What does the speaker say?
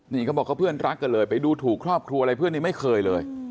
นี่เขาบอกเขาเพื่อนรักกันเลยไปดูถูกครอบครัวอะไรเพื่อนนี้ไม่เคยเลย